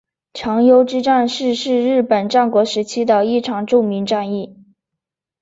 长筱之战是是日本战国时期的一场著名战役。